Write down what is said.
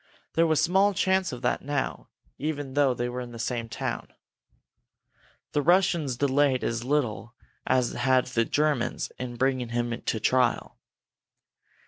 There was small chance of that now, even though they were in the same town. The Russians delayed as little as had the Germans in bringing him to trial.